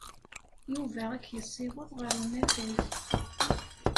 Yuba ad k-yessiweḍ ɣer unafag.